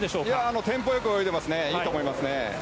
テンポ良く泳いでいていいと思います。